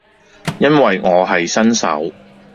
因為我係新手